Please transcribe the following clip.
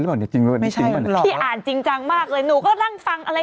และอ่านยาวด้วย